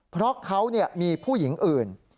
เพราะเขามีผู้หญิงอื่น